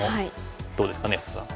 どうですかね安田さん。